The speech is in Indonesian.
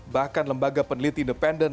bahkan lembaga peneliti independen